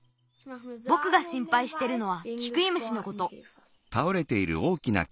ぼくがしんぱいしてるのはキクイムシのこと。